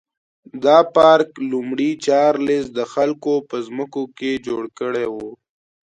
دا پارک لومړي چارلېز د خلکو په ځمکو کې جوړ کړی و.